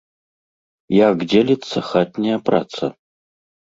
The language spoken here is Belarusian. Як дзеліцца хатняя праца?